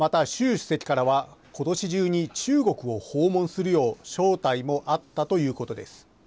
主席からは、ことし中に中国を訪問するよう招待もあったということです。